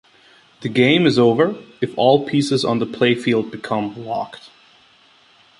The game is over if all pieces on the playfield become locked.